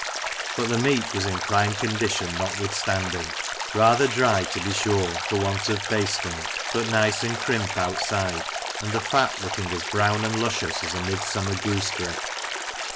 But the meat was in prime condition notwithstanding; rather dry, to be sure, for want of basting, but nice and crimp outside, and the fat looking as brown and luscious as a midsummer gooseberry.